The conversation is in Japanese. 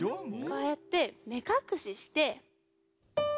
こうやってめかくしして。